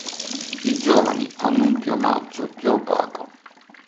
I giovani hanno un piumaggio più opaco.